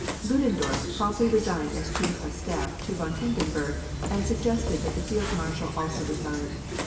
Ludendorf promptly resigned as Chief of Staff to von Hindenburg and suggested that the Field Marshal also resign.